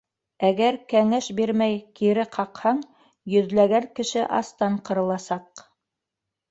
Әгәр кәңәш бирмәй, кире ҡаҡһаң, йөҙләгән кеше астан ҡырыласаҡ.